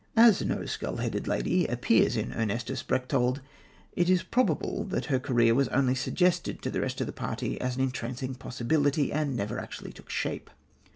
As no skull headed lady appears in Ernestus Berchtold, it is probable that her career was only suggested to the rest of the party as an entrancing possibility, and never actually took shape.